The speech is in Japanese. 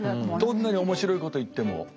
どんなに面白いこと言っても？